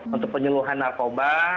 untuk penyeluhan narkoba